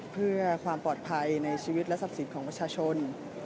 เพื่อความปลอดภัยในชีวิตและทรัพย์สินของประชาชน